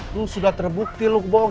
lu sudah terbukti lu kebohong